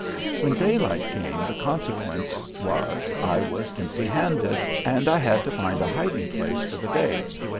When daylight came the consequence was I was empty handed, and I had to find a hiding place for the day.